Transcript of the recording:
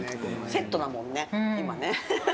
セットだもんね。